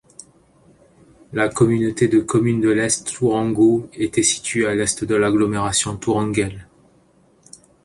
La Communauté de Communes de l'Est Tourangeau était située à l'est de l'agglomération tourangelle.